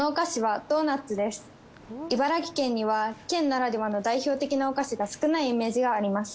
茨城県には県ならではの代表的なお菓子が少ないイメージがあります。